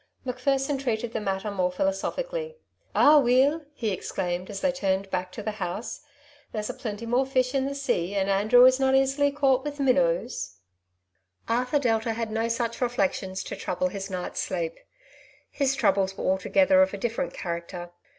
Macpherson treated the matter more philoso phically. '^ Ah weel !" he exclaimed as they turned back to the house; ^'there's a plenty more fish in TJte Delanys' Side of t/te Question, 171 the sea, and Andrew is not easily caught with minnows/' Arthur Delta had no such reflections to trouble his night's sleep ; his troubles were altogether of a different character.